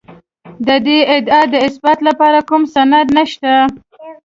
د دې ادعا د اثبات لپاره کوم سند نشته.